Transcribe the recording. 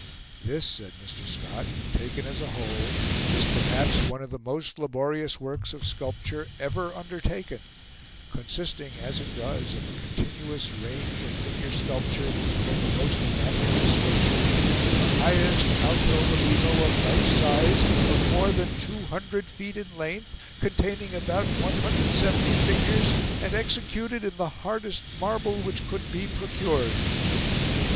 "This," said Mr. Scott, "taken as a whole, is perhaps one of the most laborious works of sculpture ever undertaken, consisting, as it does, of a continuous range of figure sculpture of the most elaborate description, in the highest alto relievo of life size, of more than 200 feet in length, containing about 170 figures, and executed in the hardest marble which could be procured."